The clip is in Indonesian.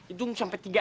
idung sampai tiga